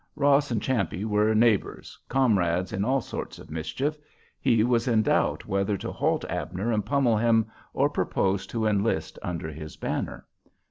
Ross and Champe were neighbors, comrades in all sorts of mischief; he was in doubt whether to halt Abner and pummel him, or propose to enlist under his banner.